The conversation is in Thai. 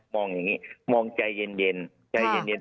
มองอย่างนี้มองใจเย็น